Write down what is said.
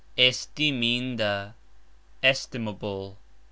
Estiminda : estimable.